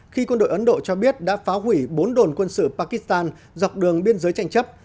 khi quân đội ấn độ cho biết đã phá hủy bốn đồn quân sự pakistan dọc đường biên giới tranh chấp